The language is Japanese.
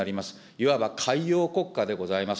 いわば海洋国家でございます。